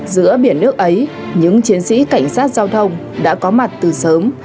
giữa biển nước ấy những chiến sĩ cảnh sát giao thông đã có mặt từ sớm